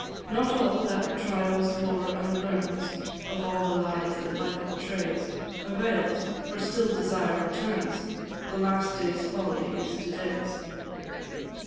"Not all that trial's lore unlearns Of all the lies that life betrays, Avails, for still desire returns The last day's folly is to day's.